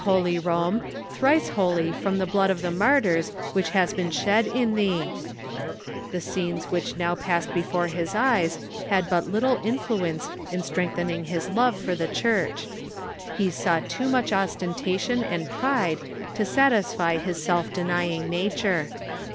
Holy Rome, thrice holy from the blood of the martyrs which has been shed in thee !" The scenes which now passed before his eyes had but little influence in strengthening his love for the Church. He saw too much os tentation and pride to satisfy his self denying nature.